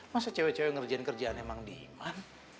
masa cewek cewek ngerjain kerjaan yang mang diman